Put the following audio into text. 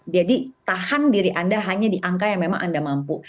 jadi tahan diri anda hanya di angka yang memang anda mampu